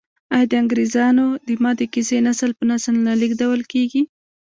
آیا د انګریزامو د ماتې کیسې نسل په نسل نه لیږدول کیږي؟